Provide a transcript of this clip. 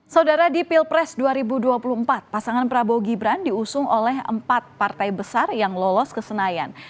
saudara di pilpres dua ribu dua puluh empat pasangan prabowo gibran diusung oleh empat partai besar yang lolos ke senayan